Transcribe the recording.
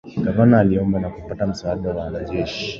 Gavana aliomba na kupata msaada wa wanajeshi